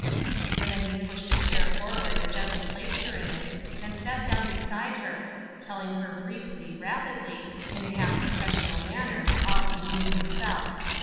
And then he pushed a chair forward and gently placed her in it, and sat down beside her, telling her briefly, rapidly, in a half professional manner^ all he knew himself.